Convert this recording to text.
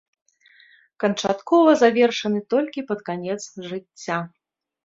Канчаткова завершаны толькі пад канец жыцця.